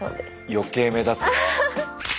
余計目立つ。